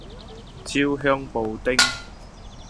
焦香布丁